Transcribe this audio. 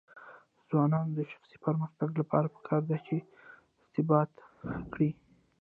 د ځوانانو د شخصي پرمختګ لپاره پکار ده چې ارتباط ښه کړي.